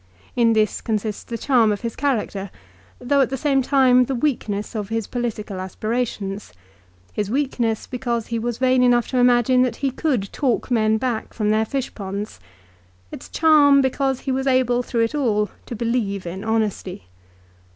In this consists the charm of his character, though at the same time the weakness of his political aspirations; his weakness, because he was vain enough to imagine that he could talk men back from their fishponds ; its charm, because he was able through it all to believe in honesty.